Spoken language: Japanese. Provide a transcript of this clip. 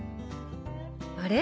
あれ？